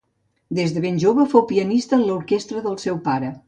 Des de ben jove fou pianista en l'orquestra del seu pare.